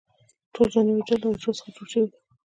ټول ژوندي موجودات له حجرو څخه جوړ شوي دي